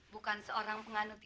bukan seorang penganut